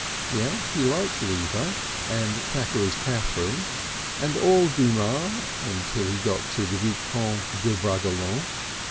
Yet he liked Lever and Thackeray's "Catherine," and all Dumas until he got to the Vicomte de Bragelonne.